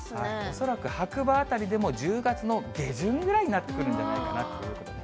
恐らく白馬辺りでも１０月の下旬ぐらいになってくるんじゃないかなということで。